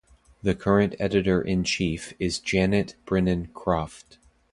The current editor-in-chief is Janet Brennan Croft.